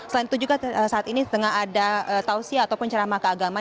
selain itu juga saat ini tengah ada tausiah ataupun ceramah keagamaan